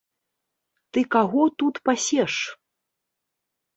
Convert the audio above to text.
Ты каго тут пасеш!